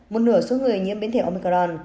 một nửa số người nhiễm biến thể omicron